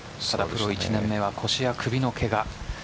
プロ１年目は腰や首のけが。